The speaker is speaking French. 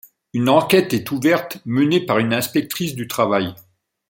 Une enquête est ouverte menée par une inspectrice du travail.